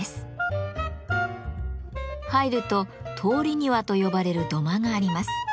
入ると「通り庭」と呼ばれる土間があります。